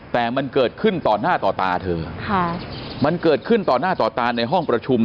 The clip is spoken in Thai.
แต่มันเกิดขึ้นต่อหน้าต่อตาเธอค่ะมันเกิดขึ้นต่อหน้าต่อตาในห้องประชุม